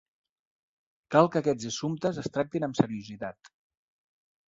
Cal que aquests assumptes es tractin amb seriositat.